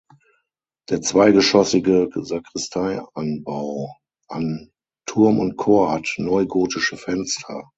Der zweigeschoßige Sakristeianbau an Turm und Chor hat neugotische Fenster.